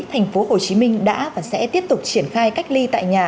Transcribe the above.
thành phố hồ chí minh đã và sẽ tiếp tục triển khai cách ly tại nhà